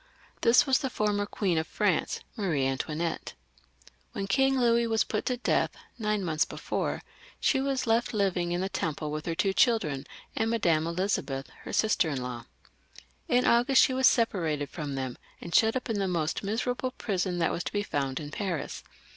This was the former Queen of France, Marie Antoinetta When King Louis was put to death nine months before, she was left Hving in the Temple with her two children and Madame Elizabeth, her sister in law. In August she was separated from them, and shut up in the most miserable prison that was to be found in Paris.